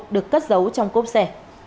được cất giấu trong cốp xe